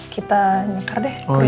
kita nyekar deh